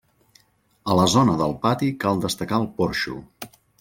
A la zona del pati cal destacar el porxo.